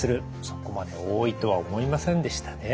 そこまで多いとは思いませんでしたね。